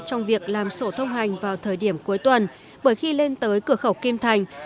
trong việc làm sổ thông hành vào thời điểm cuối tuần bởi khi lên tới cửa khẩu kim thành